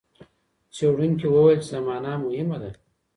څېړونکي وویل چي زمانه مهمه ده.